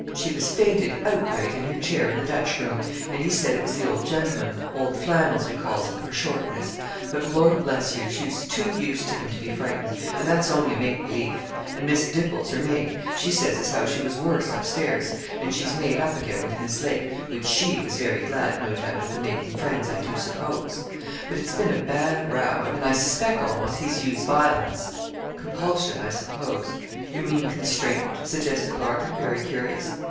She was fainted outright in her chair in the Dutch room; and he said it was the old gentleman Old Flannels, we calls him, for shortness but lor' bless you, she's too used to him to be frightened, and that's only a make belief; and Miss Dipples, her maid, she says as how she was worse up stairs, and she's made up again with Miss Lake, which she was very glad, no doubt, of the making friends, I do suppose; but it's a bin a bad row, and I suspeck amost he's used vilins.' 'Compulsion, I suppose; you mean constraint?' suggested Larkin, very curious.